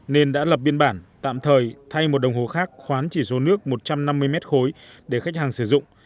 nên đã lập biên bản tạm thời thay một đồng hồ khác khoán chỉ số nước một trăm năm mươi mét khối để khách hàng sử dụng